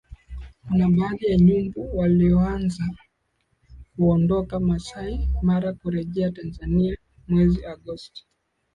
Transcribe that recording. kuna baadhi ya nyumbu walioanza kuondoka Maasai Mara kurejea Tanzania mwezi Agosti